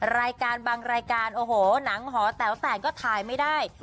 รายการบางรายการโอ้โหหนังหอแต๋วแต่งก็ถ่ายไม่ได้